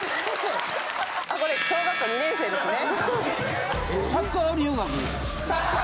これ小学校２年生ですね。